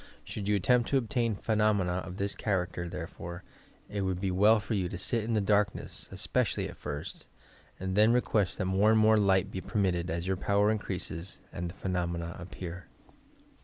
Should you attempt to obtain phenomena of this char acter, therefore, it would be well for you to sit in the darkness, especially at first, and then request that more and more light be permitted as your power increases and the phenomena appear.